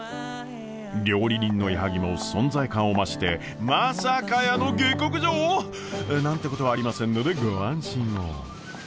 料理人の矢作も存在感を増してまさかやーの下克上！？なんてことはありませんのでご安心を。